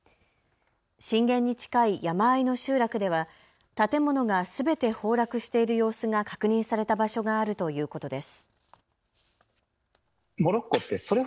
震源に近い山あいの集落では建物がすべて崩落している様子が確認された場所があるということです。